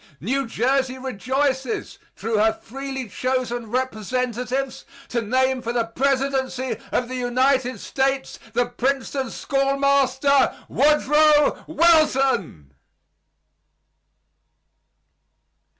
New Jersey rejoices, through her freely chosen representatives, to name for the presidency of the United States the Princeton schoolmaster, Woodrow Wilson.